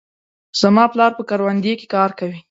زما پلار په کروندې کې کار کوي.